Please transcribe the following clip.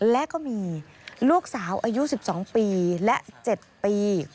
และก็มีลูกสาวอายุ๑๒ปีและ๗ปี